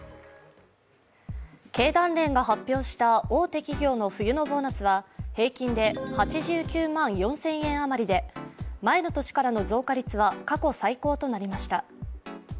経団連が発表した大手企業の冬のボーナスは平均で８９万４０００円余りで前の年からの増加率は過去最高となりました。